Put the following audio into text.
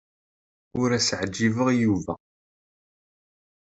Ur as-ɛjibeɣ i Yuba.